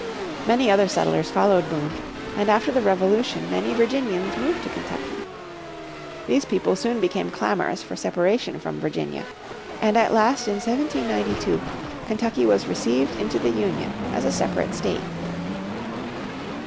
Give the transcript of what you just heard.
Many other settlers followed Boone, and after the Revolution many Virginians moved to Kentucky. These people soon became clamorous for separation from Virginia, and at last in 1792 Kentucky was received into the Union as a separate state.